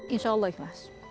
insya allah ikhlas